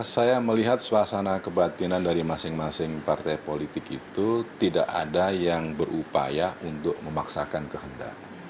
saya melihat suasana kebatinan dari masing masing partai politik itu tidak ada yang berupaya untuk memaksakan kehendak